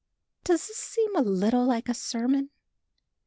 Does this seem a little bit like a sermon?